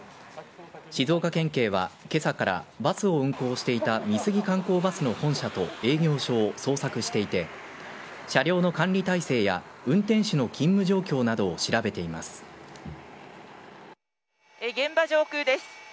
静岡県警は今朝からバスを運行していた美杉観光バスの本社と営業所を捜索していて車両の管理体制や運転手の勤務状況などを現場上空です。